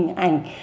những cái hình ảnh